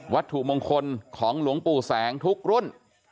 วัตถุมงคลของหลวงปู่แสงทุกรุ่น